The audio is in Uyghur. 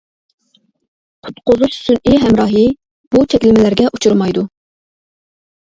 قۇتقۇزۇش سۈنئىي ھەمراھى بۇ چەكلىمىلەرگە ئۇچرىمايدۇ.